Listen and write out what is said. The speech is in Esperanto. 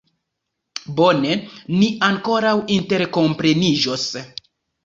Bone, ni ankoraŭ interkompreniĝos.